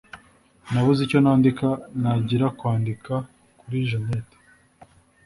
Nabuze icyo nandika nagira kwandika kuri Jeanette